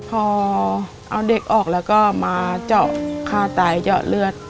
พอเอาเด็กออกแล้วก็มาเจาะฆ่าตายเจาะเลือด